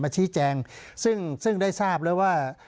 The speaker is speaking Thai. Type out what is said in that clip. ชี้แจงซึ่งได้ทราบแล้วว่า